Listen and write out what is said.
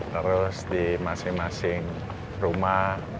terus di masing masing rumah